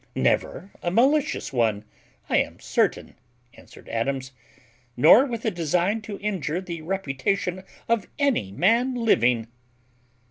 "Never a malicious one, I am certain," answered Adams, "nor with a design to injure the reputation of any man living."